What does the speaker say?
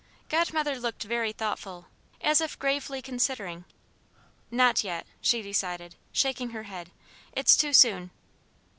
Godmother looked very thoughtful, as if gravely considering. "Not yet," she decided, shaking her head; "it's too soon."